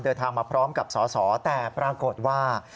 เดินทางมาพร้อมกับสอสอแต่ปรากฏว่า